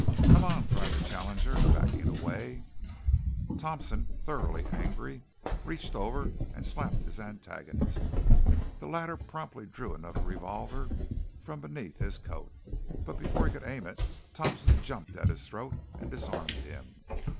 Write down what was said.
"Come on!" cried the challenger, backing away. Thompson, thoroughly angry, reached over and slapped his antagonist. The latter promptly drew another revolver from beneath his coat, but before he could aim it Thompson jumped at his throat and disarmed him.